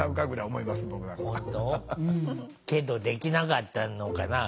けどできなかったのかな。